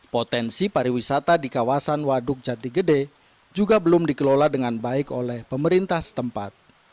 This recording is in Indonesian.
potensi pariwisata di kawasan waduk jatigede juga belum dikelola dengan baik oleh pemerintah setempat